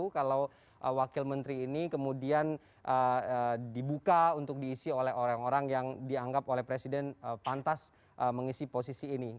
kalau wakil menteri ini kemudian dibuka untuk diisi oleh orang orang yang dianggap oleh presiden pantas mengisi posisi ini